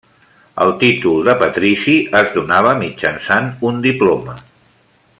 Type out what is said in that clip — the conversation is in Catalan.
El títol de patrici es donava mitjançant un diploma.